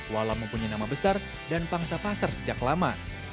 walau mempunyai nama besar dan pangsa pasar sejak lama